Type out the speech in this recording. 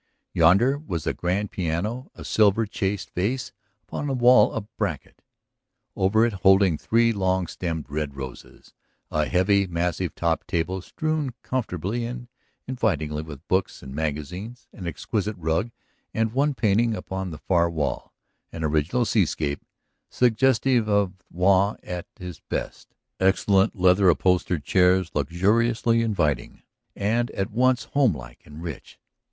Yonder was a grand piano, a silver chased vase upon a wall bracket over it holding three long stemmed, red roses; a heavy, massive topped table strewn comfortably and invitingly with books and magazines; an exquisite rug and one painting upon the far wall, an original seascape suggestive of Waugh at his best; excellent leather upholstered chairs luxuriously inviting, and at once homelike and rich.